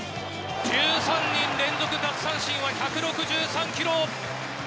１３人連続奪三振は１６３キロ。